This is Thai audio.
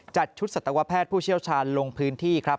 จัดชุดสัตวแพทย์ผู้เชี่ยวชาญลงพื้นที่ครับ